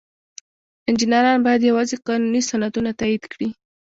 انجینران باید یوازې قانوني سندونه تایید کړي.